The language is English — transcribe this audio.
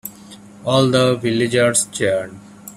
All the villagers cheered.